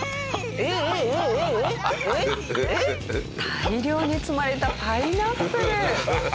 大量に積まれたパイナップル。